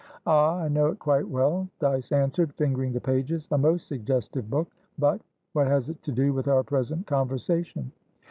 "Ah, I know it quite well," Dyce answered, fingering the pages. "A most suggestive book. Butwhat has it to do with our present conversation?"